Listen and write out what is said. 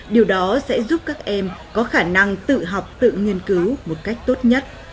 điều đó sẽ giúp các em có khả năng tự học tự nghiên cứu một cách tốt nhất